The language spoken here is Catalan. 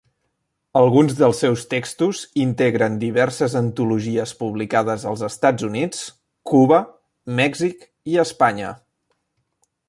Alguns dels seus textos integren diverses antologies publicades als Estats Units, Cuba, Mèxic i Espanya.